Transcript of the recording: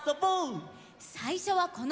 さいしょはこのうた！